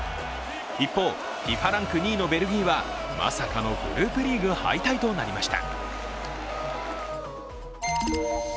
一方、ＦＩＦＡランク２位のベルギーはまさかのグループリーグ敗退となりました。